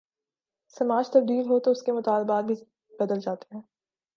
سماج تبدیل ہو تو اس کے مطالبات بھی بدل جاتے ہیں۔